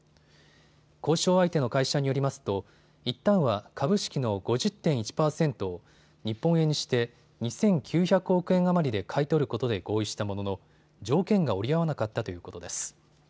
交渉相手の会社によりますといったんは株式の５０．１％を日本円にして２９００億円余りで買い取ることで合意したものの条件が折り合わなかったということです。